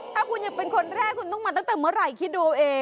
ถ้าคุณยังเป็นคนแรกคุณต้องมาตั้งแต่เมื่อไหร่คิดดูเอง